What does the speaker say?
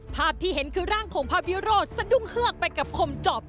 ภาพที่เห็นคือร่างของพระวิโรธสะดุ้งเฮือกไปกับคมจอบ